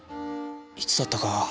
いつだったか。